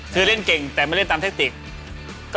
คือเล่นเก่งแต่ไม่เล่นตามเทคติก